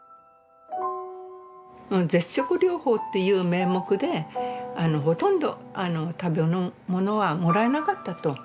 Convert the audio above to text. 絶食療法っていう名目でほとんど食べ物はもらえなかったと。